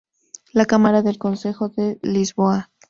La cámara del Consejo de Lisboa.